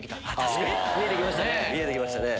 見えてきましたね。